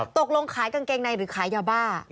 ตกลงขายกางเกงในหรือขายยาบ้า